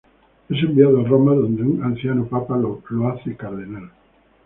Es enviado a Roma, donde un anciano papa le crea cardenal.